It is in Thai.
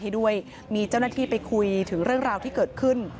ให้ด้วยมีเจ้าหน้าที่ไปคุยถึงเรื่องราวที่เกิดขึ้น